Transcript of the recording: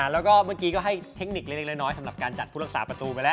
แล้วก็เมื่อกี้ก็ให้เทคนิคเล็กน้อยสำหรับการจัดผู้รักษาประตูไปแล้ว